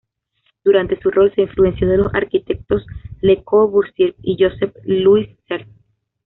Durante su rol se influenció de los arquitectos Le Corbusier y Josep Lluís Sert.